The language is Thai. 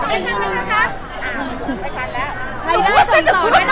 ใครได้ส่งสอน